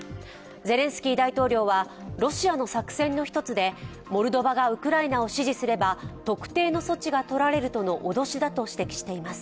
ゼレンスキー大統領はロシアの作戦の１つでモルドバがウクライナを支持すれば、特定の措置がとられるとの脅しだと指摘しています。